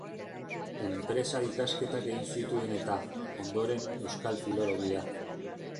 Enpresa ikasketak egin zituen eta, ondoren, euskal filologia.